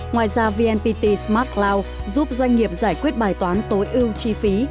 ngoài ra vnpt smart cloud giúp doanh nghiệp giải quyết bài toán tối ưu chi phí